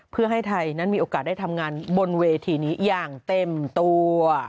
เพื่อให้ไทยนั้นมีโอกาสได้ทำงานบนเวทีนี้อย่างเต็มตัว